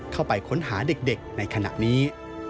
เข้าไปค้นหาเด็กในขณะนี้